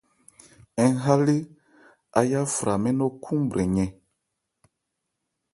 Ń ha lé, áyá fra mɛ́n nnɔ́ khúúnbrɛn yɛn.